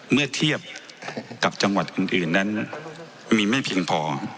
เมื่อเทียบกับจังหวัดอื่นนั้นมีไม่เพียงพอ